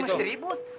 ngapain mesti ribut